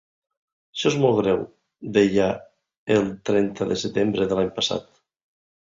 Això és molt greu, deia el trenta de setembre de l’any passat.